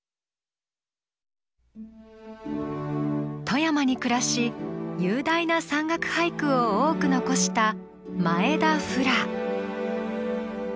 富山に暮らし雄大な山岳俳句を多く残した前田普羅。